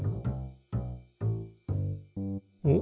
お！